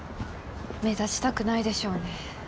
目立ちたくないでしょうね。